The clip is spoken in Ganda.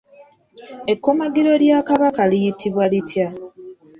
Ekkomagiro lya Kabaka liyitibwa litya?